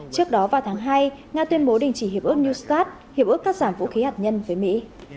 trước đó vào tháng hai nga tuyên bố đình chỉ hiệp ước new scott hiệp ước cắt giảm vũ khí hạt nhân với mỹ